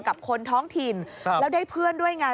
กับคนท้องถิ่นแล้วได้เพื่อนด้วยไง